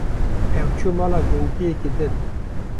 ew çû mala gundiyekî din.